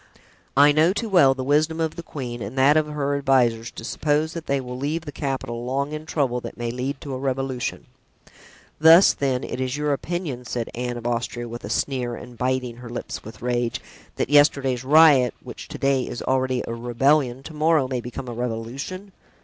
I know too well the wisdom of the queen and that of her advisers to suppose that they will leave the capital long in trouble that may lead to a revolution." "Thus, then, it is your opinion," said Anne of Austria, with a sneer and biting her lips with rage, "that yesterday's riot, which to day is already a rebellion, to morrow may become a revolution?"